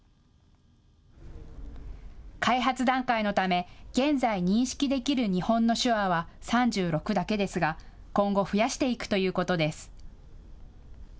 開発段階のため現在、認識できる日本の手話は３６だけですが、今後、増やしていくということです。